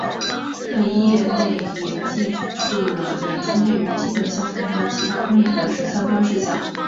本页内也记述了演出内容基本相同的其他公演的相关事项。